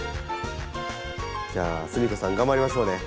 じゃあすみこさん頑張りましょうね。